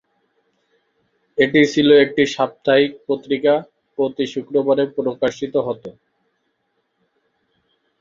এটি ছিল একটি সাপ্তাহিক পত্রিকা, প্রতি শুক্রবারে প্রকাশিত হতো।